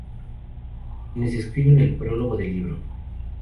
Quienes escriben el prólogo del libro.